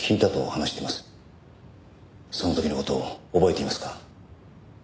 その時の事を覚えていますか？